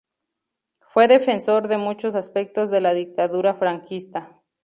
Fue defensor de muchos aspectos de la dictadura franquista.